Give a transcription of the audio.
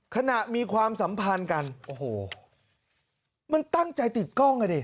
ขณะมีความสัมพันธ์กันโอ้โหมันตั้งใจติดกล้องอ่ะดิ